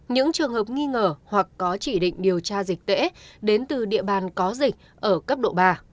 những trường hợp nghi ngờ hoặc có chỉ định điều tra dịch tễ đến từ địa bàn có dịch ở cấp độ ba